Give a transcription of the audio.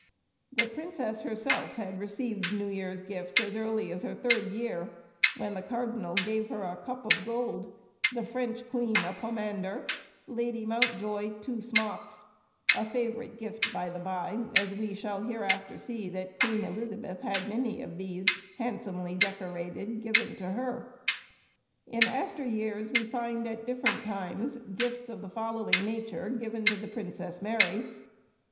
The princess herself had received New Year's Gifts as early as her third year, when the cardinal gave her a cup of gold; the French queen, a pomander; Lady Mountjoy, two smocks; a favourite gift by the bye, as we shall hereafter see that Queen Elizabeth had many of these, handsomely decorated, given to her. In after years we find at different times gifts of the following nature given to the Princess Mary.